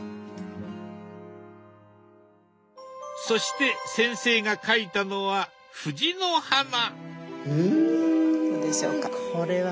そして先生が描いたのは藤の花。